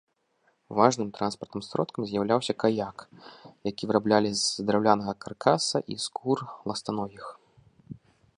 Важным транспартным сродкам з'яўляўся каяк, які выраблялі з драўлянага каркаса і скур ластаногіх.